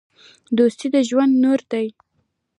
دوستي د ژوند نور دی.